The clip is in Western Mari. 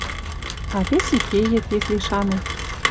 А вес и кеет, если шанет». —